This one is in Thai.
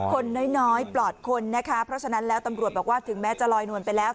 คนน้อยปลอดคนนะคะเพราะฉะนั้นแล้วตำรวจบอกว่าถึงแม้จะลอยนวลไปแล้ว